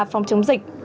không chống dịch